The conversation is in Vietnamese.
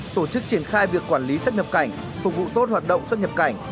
tổ chức triển khai việc quản lý xuất nhập cảnh phục vụ tốt hoạt động xuất nhập cảnh